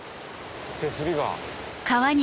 手すりが。